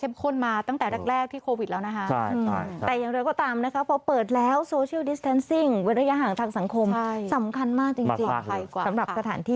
แบบนี้นะคะ